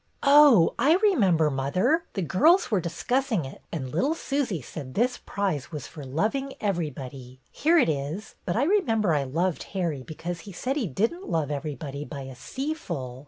'" "Oh, I remember, mother! The girls were discussing it, and little Susy said this prize was for loving everybody — here it is — but I remember I loved Harry because he said he didn't love everybody 'by a seaful.